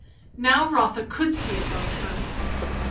Now Rotha could see about her.